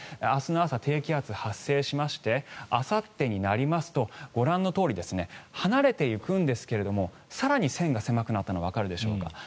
明日の朝、低気圧が発生しましてあさってになりますとご覧のとおり離れていくんですが更に線が狭くなったのわかるでしょうか。